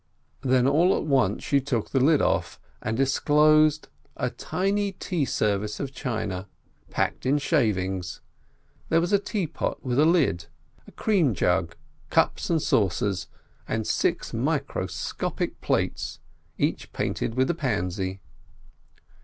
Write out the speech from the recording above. Then all at once she took the lid off and disclosed a tiny tea service of china, packed in shavings; there was a teapot with a lid, a cream jug, cups and saucers, and six microscopic plates, each painted with a pansy.